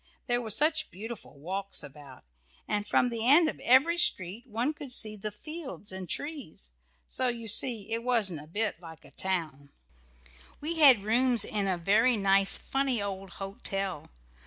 There were such beautiful walks all about, and from the end of every street one could see the fields and trees, so you see it wasn't a bit like a town. We had rooms in a very nice funny old hotel.